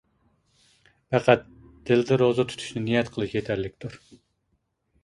پەقەت دىلدا روزا تۇتۇشنى نىيەت قىلىش يېتەرلىكتۇر.